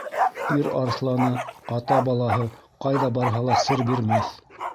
Ир арыҫланы, ата балаһы, ҡайҙа барһа ла сер бирмәҫ.